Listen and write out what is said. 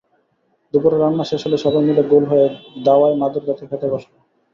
দুপুরে রান্না শেষ হলে সবাই মিলে গোল হয়ে দাওয়ায় মাদুর পেতে খেতে বসল।